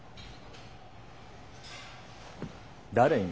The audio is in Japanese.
「誰に」？